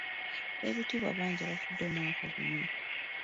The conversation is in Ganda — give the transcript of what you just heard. Ab'ebitiibwa bangi abafudde omwaka guno.